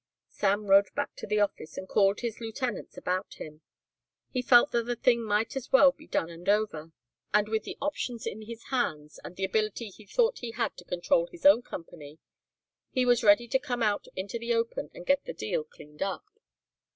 Sam rode back to the office and called his lieutenants about him. He felt that the thing might as well be done and over, and with the options in his hands, and the ability he thought he had to control his own company, he was ready to come out into the open and get the deal cleaned up.